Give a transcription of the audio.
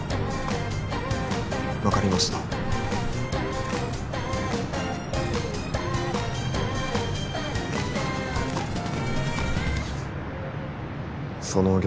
分かりましたその逆